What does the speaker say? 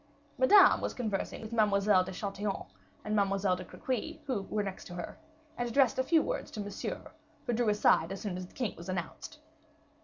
Madame was conversing with Mademoiselle de Chatillon and Mademoiselle de Crequy, who were next to her, and addressed a few words to Monsieur, who drew aside as soon as the king was announced.